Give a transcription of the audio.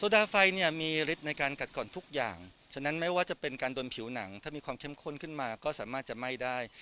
ดาไฟเนี่ยมีฤทธิ์ในการกัดก่อนทุกอย่างฉะนั้นไม่ว่าจะเป็นการโดนผิวหนังถ้ามีความเข้มข้นขึ้นมาก็สามารถจะไหม้ได้